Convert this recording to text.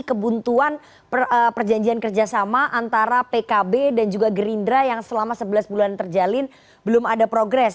kebuntuan perjanjian kerjasama antara pkb dan juga gerindra yang selama sebelas bulan terjalin belum ada progres